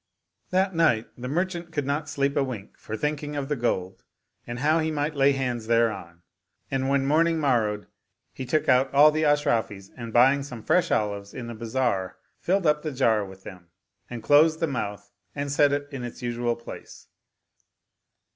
That night the merchant could not sleep a wink for thinking of the gold and how he might lay hands thereon ; and when morning morrowed he took out all the Ashrafis and buying some fresh olives in the Bazar filled up the jar with them and closed the mouth and set it in its usual place.